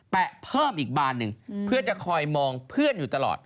เพิ่มอีกบานหนึ่งเพื่อจะคอยมองเพื่อนอยู่ตลอด